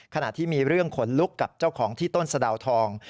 ขณะที่มีเรื่องขนลุกกับเจ้าของที่ต้นสะดาวทอง